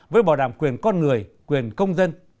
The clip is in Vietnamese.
với bảo đảm quyền con người quyền công dân